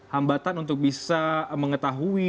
hambatan untuk bisa mengetahui